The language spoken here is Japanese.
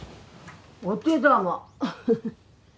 お手玉